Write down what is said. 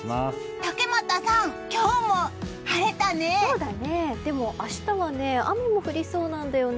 竹俣さん、今日も晴れたね。